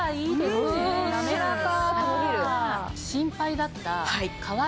滑らか。